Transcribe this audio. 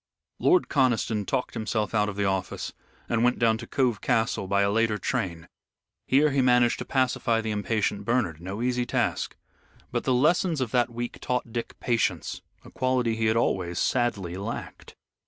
Lord Conniston talked himself out of the office, and went down to Cove Castle by a later train. Here he managed to pacify the impatient Bernard, no easy task. But the lessons of that week taught Dick patience, a quality he had always sadly lacked.